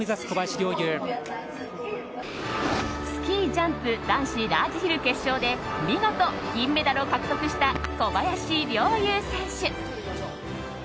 スキージャンプ男子ラージヒル決勝で見事、銀メダルを獲得した小林陵侑選手。